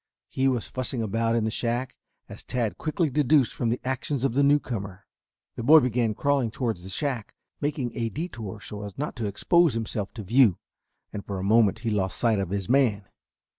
He was fussing about in the shack, as Tad quickly deduced from the actions of the newcomer. The boy began crawling towards the shack, making a detour so as not to expose himself to view, and for a moment he lost sight of his man.